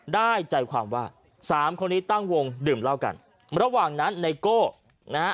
ได้ใจความว่าสามคนนี้ตั้งวงดื่มเหล้ากันระหว่างนั้นไนโก้นะฮะ